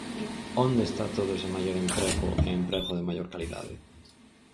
¿Onde está todo ese maior emprego e emprego de maior calidade?